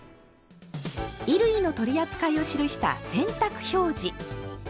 衣類の取り扱いを記した「洗濯表示」。